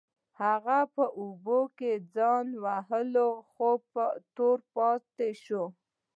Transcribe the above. هغه په اوبو کې ځان وواهه خو تور پاتې شو.